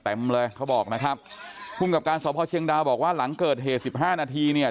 เต็มเลยเขาบอกนะครับภูมิกับการสพเชียงดาวบอกว่าหลังเกิดเหตุสิบห้านาทีเนี่ย